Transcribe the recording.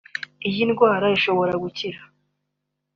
iyi ndwara ishobora gukira